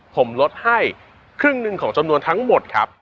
ผมลดให้ครึ่งหนึ่งของจำนวนทั้งหมดครับ